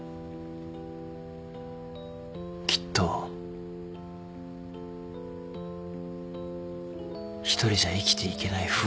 きっと１人じゃ生きていけない